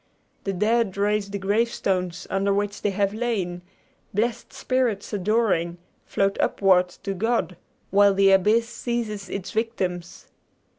The dead raise the gravestones under which they have lain; blessed spirits adoring, float upward to God, while the abyss seizes its victims.